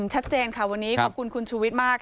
ชัดเจนค่ะวันนี้ขอบคุณคุณชูวิทย์มาก